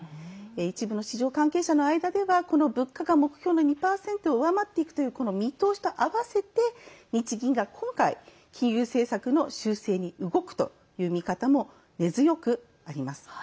一部の市場関係者の間では物価が目標の２％を上回っていく見通しと合わせて日銀が今回、金融政策の修正に動くという見方も根強くあります。